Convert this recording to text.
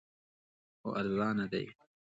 خو ارزانه دی